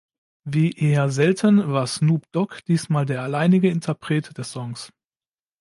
Wie eher selten, war Snoop Dogg diesmal der alleinige Interpret des Songs.